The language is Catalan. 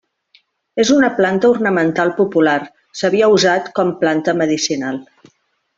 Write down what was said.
És una planta ornamental popular, s'havia usat com planta medicinal.